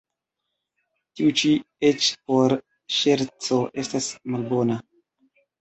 Tiu ĉi eĉ por ŝerco estas malbona.